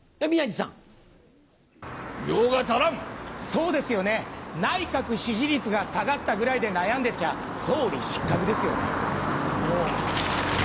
そうですよね、内閣支持率が下がったぐらいで悩んでちゃ、総理失格ですよね。